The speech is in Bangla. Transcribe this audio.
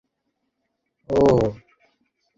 তিনি সেখানে ফিরে যাবেন, এমন প্রতিজ্ঞাও করেছিলেন।